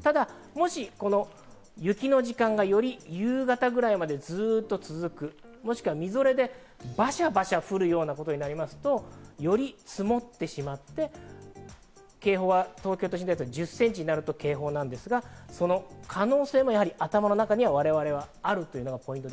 ただ、もし雪の時間が、より夕方くらいまでずっと続く、もしくは、みぞれでバシャバシャ降るようなことになりますと、より積もってしまって、警報は１０センチになると東京では警報になるんですが、その可能性も我々は頭の中にあるというのがポイント。